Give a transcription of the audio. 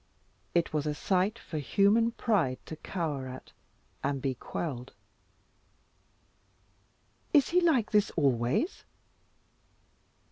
It was a sight for human pride to cower at, and be quelled. "Is he like this always?"